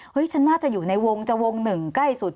เฮ้ยฉันน่าจะอยู่ในวงจะวง๑ใกล้สุด